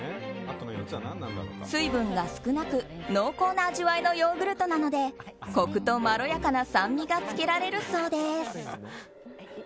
水分が少なく濃厚な味わいのヨーグルトなのでコクとまろやかな酸味がつけられるそうです。